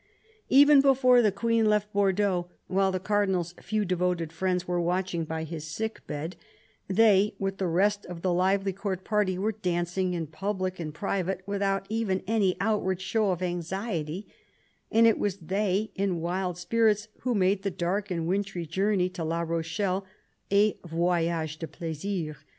Even before the Queen left Bordeaux, while the Cardinal's few devoted friends were watching by his sick bed, they, with the rest of the lively Court party, were dancing in public and private without even any outward show of anxiety, and it was they, in wild spirits, who made the dark and wintry journey to La Rochelle a voyage de plaisir.